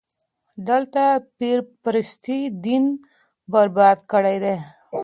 دلته پير پرستي دين برباد کړی دی.